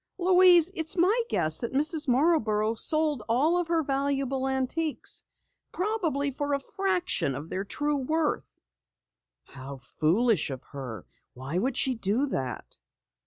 Louise, it's my guess that Mrs. Marborough sold all of her valuable antiques probably for a fraction of their true worth." "How foolish of her. Why would she do that?"